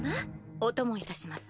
お供いたします。